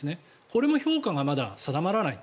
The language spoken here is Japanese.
これも評価がまだ定まらない。